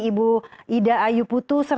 ibu ida ayu putu